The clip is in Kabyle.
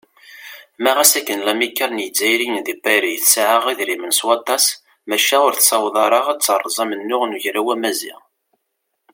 Ma ɣas akken lamikkal n yizzayriyen di Pari tesɛa idrimen s waṭas, maca ur tessaweḍ ara ad teṛṛez amennuɣ n Ugraw Amaziɣ.